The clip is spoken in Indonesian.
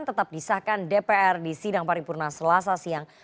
tetap disahkan dpr di sidang paripurna selasa siang